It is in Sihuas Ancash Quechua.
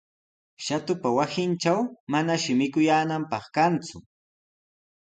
Shatupa wasintraw manashi mikuyaananpaq kanku.